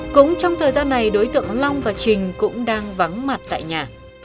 cũng trong thời gian này đối tượng long và trình cũng đang vắng mặt tại nhà